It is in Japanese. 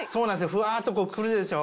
ふわっと来るでしょ？